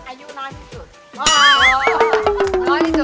อายุน้อยที่สุด